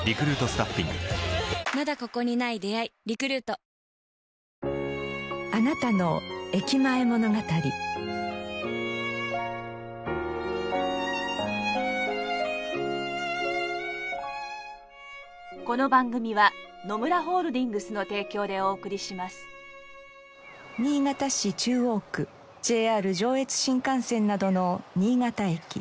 最高の渇きにＤＲＹ新潟市中央区ＪＲ上越新幹線などの新潟駅。